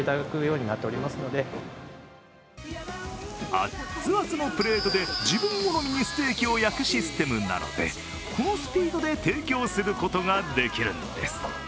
アッツアツのプレートで自分好みにステーキを焼くシステムなのでこのスピードで提供することができるんです。